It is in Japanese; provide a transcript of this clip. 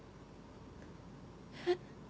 えっ？